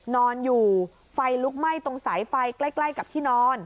นอนอยู่ไฟลุกไหม้ตรงสายไฟใกล้กับที่นอน